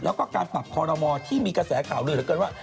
แล้วก็การปรับคอรมอที่มีกระแสข่าวลือเหลือเกินว่า